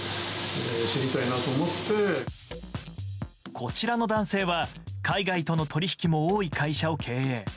こちらの男性は海外との取引も多い会社を経営。